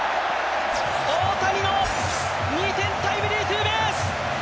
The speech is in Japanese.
大谷の２点タイムリーツーベース。